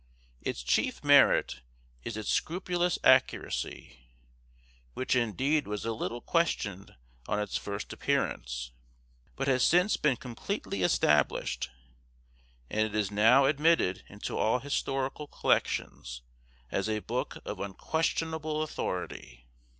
Its chief merit is its scrupulous accuracy, which indeed was a little questioned on its first appearance, but has since been completely established; and it is now admitted into all historical collections, as a book of unquestionable authority.